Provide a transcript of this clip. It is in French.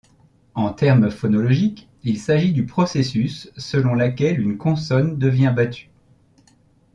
En termes phonologiques, il s'agit du processus selon laquelle une consonne devient battue.